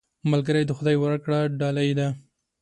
ملګری د خدای ورکړه ډالۍ ده